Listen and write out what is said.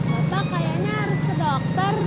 aku mah udah ke dokter deh